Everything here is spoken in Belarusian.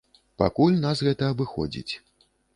Пакуль нас гэта абыходзіць.